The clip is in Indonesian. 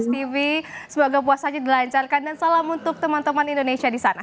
tv semoga puasanya dilancarkan dan salam untuk teman teman indonesia di sana